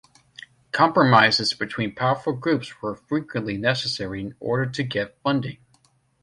Compromises between powerful groups were frequently necessary in order to get funding.